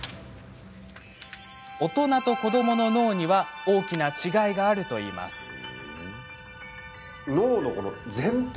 大人と子どもの脳には大きな違いがあるといいます。